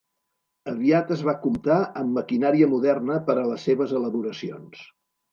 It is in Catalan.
Aviat es va comptar amb maquinària moderna per a les seves elaboracions.